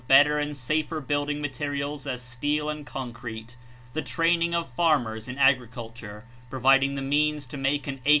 better and safer building materials as steel and concrete; the training of farmers in agriculture, providing the means to make an acre ^lijlenmal